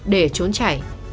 để trốn chảy